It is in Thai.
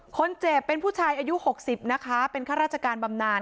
คนเจ็บเป็นผู้ชายอายุ๖๐นะคะเป็นข้าราชการบำนาน